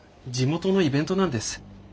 地元のイベントなんです。